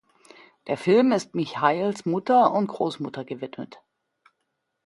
Der Film ist Miailhes Mutter und Großmutter gewidmet.